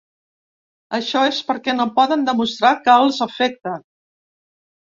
Això és perquè no poden demostrar que els afecte.